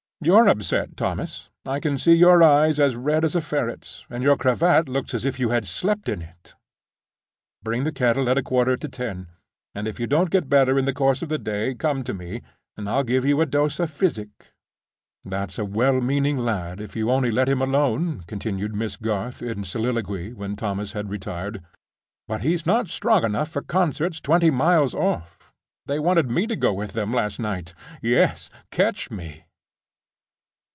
You're upset, Thomas, I can see your eyes are as red as a ferret's, and your cravat looks as if you had slept in it. Bring the kettle at a quarter to ten—and if you don't get better in the course of the day, come to me, and I'll give you a dose of physic. That's a well meaning lad, if you only let him alone," continued Miss Garth, in soliloquy, when Thomas had retired; "but he's not strong enough for concerts twenty miles off. They wanted me to go with them last night. Yes: catch me!"